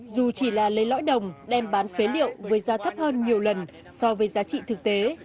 dù chỉ là lấy lõi đồng đem bán phế liệu với giá thấp hơn nhiều lần so với giá trị thực tế